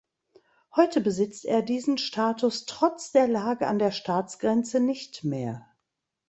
Heute besitzt er diesen Status trotz der Lage an der Staatsgrenze nicht mehr.